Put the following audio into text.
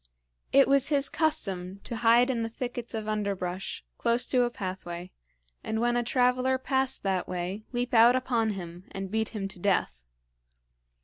It was his custom to hide in the thickets of underbrush, close to a pathway, and, when a traveler passed that way, leap out upon him and beat him to death.